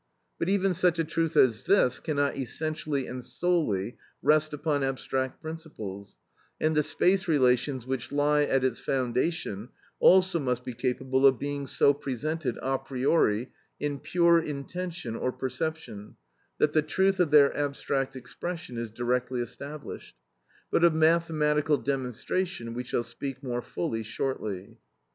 But even such a truth as this cannot essentially and solely rest upon abstract principles, and the space relations which lie at its foundation also must be capable of being so presented a priori in pure intuition or perception that the truth of their abstract expression is directly established. But of mathematical demonstration we shall speak more fully shortly.